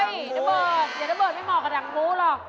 โอ้ยน้ำเบิกน้ำเบิกไม่เหมาะกับหนังบูหรอก